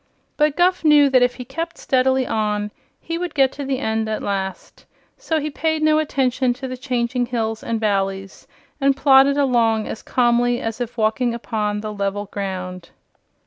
But Guph knew that if he kept steadily on he would get to the end at last; so he paid no attention to the changing hills and valleys and plodded along as calmly as if walking upon the level ground.